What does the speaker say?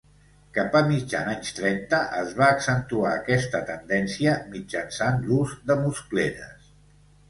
Cap a mitjan anys trenta es va accentuar aquesta tendència mitjançant l'ús de muscleres.